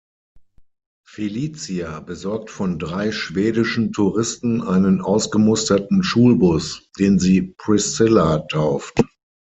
Felicia besorgt von drei schwedischen Touristen einen ausgemusterten Schulbus, den sie "Priscilla" tauft.